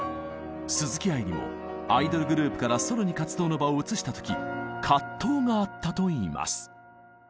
鈴木愛理もアイドルグループからソロに活動の場を移した時藤があったといいます。